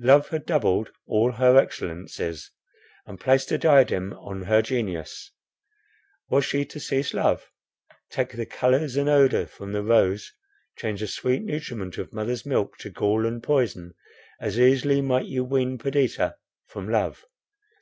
Love had doubled all her excellencies, and placed a diadem on her genius. Was she to cease to love? Take the colours and odour from the rose, change the sweet nutriment of mother's milk to gall and poison; as easily might you wean Perdita from love.